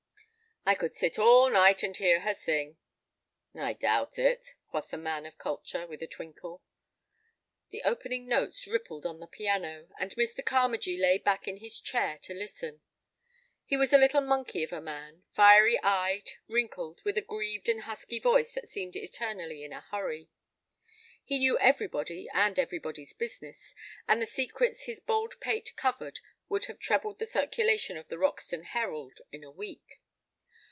"I could sit all night and hear her sing." "I doubt it," quoth the man of culture, with a twinkle. The opening notes rippled on the piano, and Mr. Carmagee lay back in his chair to listen. He was a little monkey of a man, fiery eyed, wrinkled, with a grieved and husky voice that seemed eternally in a hurry. He knew everybody and everybody's business, and the secrets his bald pate covered would have trebled the circulation of the Roxton Herald in a week.